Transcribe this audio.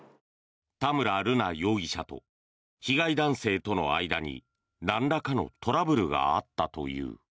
田村瑠奈容疑者と被害男性との間になんらかのトラブルがあったという。